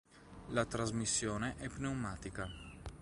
La trasmissione è pneumatica.